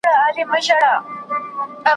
چې تقصیر د خپلو ماتو پر مغل ږدي